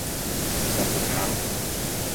Techapyrãrõ.